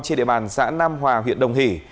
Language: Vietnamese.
trên địa bàn xã nam hòa huyện đồng hỷ